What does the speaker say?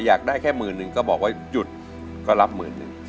อยากได้แค่หมื่นหนึ่งก็บอกว่าหยุดก็รับหมื่นหนึ่ง